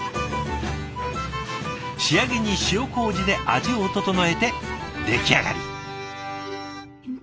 仕上げに塩こうじで味を調えて出来上がり。